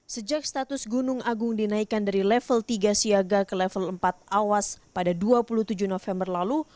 sejak status gunung agung dinaikkan dari level tiga siaga ke level empat awas pada dua puluh tujuh november lalu